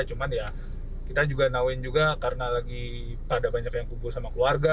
tapi kami juga tahu karena banyak yang kubur dengan keluarga